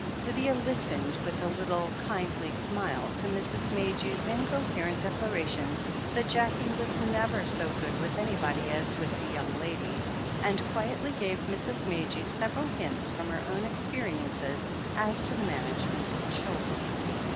Lydia listened with a little, kindly smile to Mrs. Madge's incoherent declarations that Jackie was never so good with any body as with the young lady, and quietly gave Mrs. Madge several hints from her own experience as to the management of children.